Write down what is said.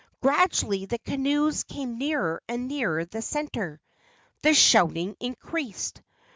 Gradually the canoes came nearer and nearer the centre. The shouting increased.